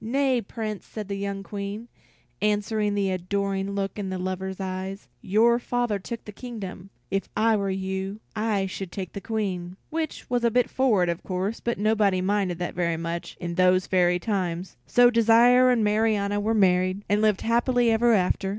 "Nay, Prince," said the young Queen, answering the adoring look in her lover's eyes, "your father took the kingdom; if I were you, I should take the Queen." Which was a bit forward, of course, but nobody minded that very much in those fairy times. So Desire and Marianna were married, and lived happily ever after.